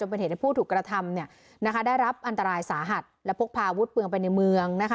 เป็นเหตุผู้ถูกกระทำเนี่ยนะคะได้รับอันตรายสาหัสและพกพาวุฒิเปลืองไปในเมืองนะคะ